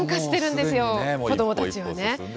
子どもたちはね。